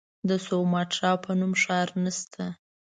د سوماټرا په نوم ښار نسته.